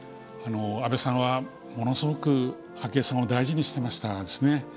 安倍さんはものすごく昭恵さんを大事にしてましたですね。